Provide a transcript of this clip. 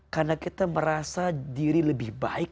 karena kita merasa diri lebih baik